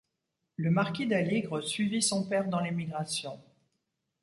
Le marquis d'Aligre suivit son père dans l'émigration.